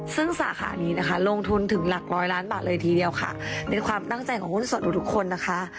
ซึ่งสาขานี้นะคะลงทุนถึงหลักร้อยล้านบาทเลยทีเดียวค่ะในความตั้งใจของหุ้นส่วนหนูทุกคนนะคะ